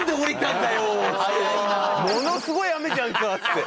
「ものすごい雨じゃんか！」って言って。